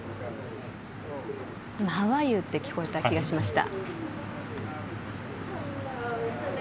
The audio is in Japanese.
今、ハウ・アー・ユーって聞こえた気がしました。